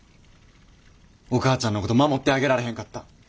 お母ちゃんのこと守ってあげられへんかった。